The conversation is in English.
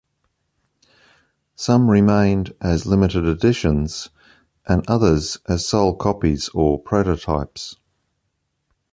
Some remained as limited editions, and others as sole copies or prototypes.